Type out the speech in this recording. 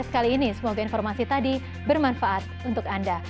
sekali ini semoga informasi tadi bermanfaat untuk anda